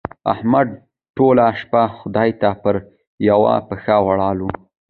احمد ټوله شپه خدای ته پر يوه پښه ولاړ وو.